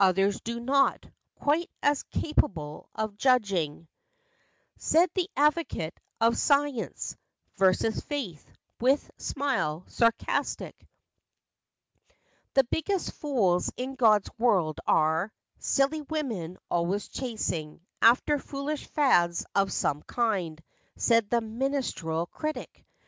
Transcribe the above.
Others do not, Quite as capable of judging," FACTS AND FANCIES. 37 Said the advocate of science Versus faith, with smile sarcastic. "The biggest fools in God's world are Silly women, always chasing After foolish fads of some kind," Said the ministerial critic.